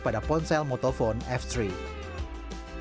yang terlihat terlihat berbeda dari ponsel yang terlihat di dalam kamera